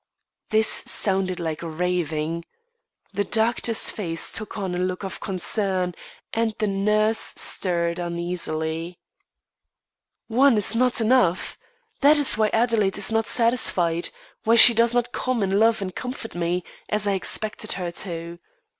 This sounded like raving. The doctor's face took on a look of concern, and the nurse stirred uneasily. "One is not enough! That is why Adelaide is not satisfied; why she does not come and love and comfort me, as I expected her to.